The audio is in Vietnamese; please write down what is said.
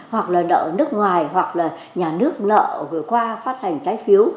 hoặc là nợ nước ngoài hoặc là nhà nước nợ vừa qua phát hành trái phiếu